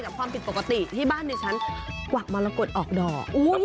ความผิดปกติที่บ้านดิฉันกวักมรกฏออกดอก